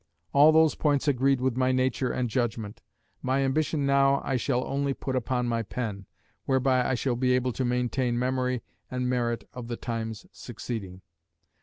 All those points agreed with my nature and judgment. My ambition now I shall only put upon my pen, whereby I shall be able to maintain memory and merit of the times succeeding.